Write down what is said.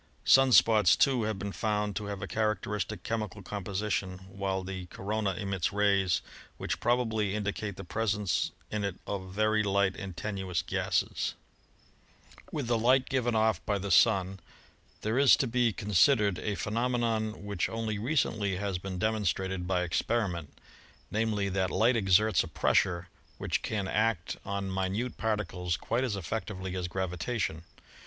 Sun spots, too, have been found to have a characteristic chemical composition, while the corona emits rays which probably indicate the presence in it of very light and tenuous gases. Corona of the Sun, Taken During Total Eclipse. Observatory.) (Yerkes SOLAR ENERGY 113 With the light given off by the Sun there is to be con sidered a phenomenon which only recently has been dem onstrated by experiment, namely, that light exerts a pres sure which can act on minute particles quite as effectively as gravitation.